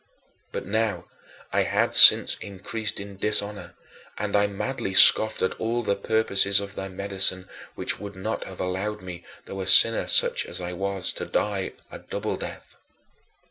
But now I had since increased in dishonor, and I madly scoffed at all the purposes of thy medicine which would not have allowed me, though a sinner such as I was, to die a double death.